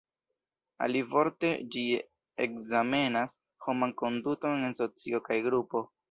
Alivorte, ĝi ekzamenas homan konduton en socio kaj grupo.